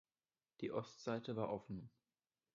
Die Ostseite war offen.